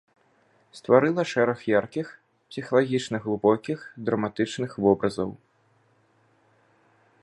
Стварыла шэраг яркіх, псіхалагічна глыбокіх драматычных вобразаў.